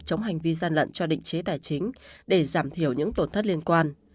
chống hành vi gian lận cho định chế tài chính để giảm thiểu những tổn thất liên quan